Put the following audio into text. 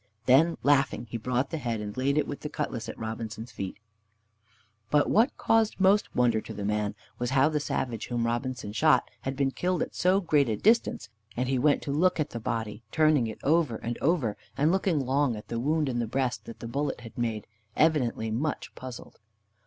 Then, laughing, he brought the head, and laid it with the cutlass at Robinson's feet. But what caused most wonder to the man was how the savage whom Robinson shot had been killed at so great a distance, and he went to look as the body, turning it over and over, and looking long at the wound in the breast that the bullet had made, evidently much puzzled.